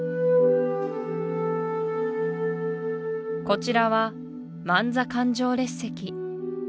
こちらは万座環状列石